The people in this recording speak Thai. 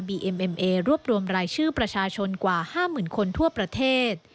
เอ็มเอ็มเอรวบรวมรายชื่อประชาชนกว่า๕๐๐๐คนทั่วประเทศ